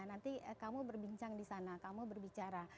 nanti kamu berbincang di sana kamu berbicara